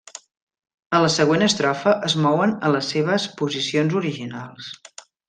En la següent estrofa es mouen a les seves posicions originals.